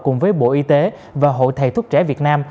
cùng với bộ y tế và hội thầy thuốc trẻ việt nam